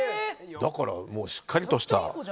だから、しっかりした。